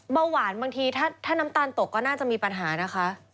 เบาหวานบางทีถ้าน้ำตาลตกก็น่าจะมีปัญหานะคะ